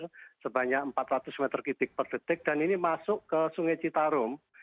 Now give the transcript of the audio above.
ini juga berarti itu sebanyak empat ratus meter per detik dan ini masuk ke sungai citarum